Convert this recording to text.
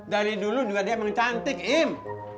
dari dulu juga dia emang cantik im